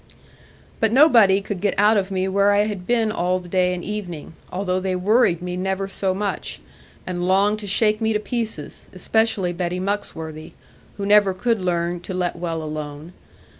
But nobody could get out of me where I had been all the day and evening; although they worried me never so much, and longed to shake me to pieces, especially Betty Muxworthy, who never could learn to let well alone.